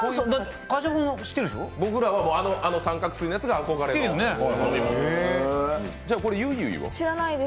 僕らはあの三角すいのやつが憧れで。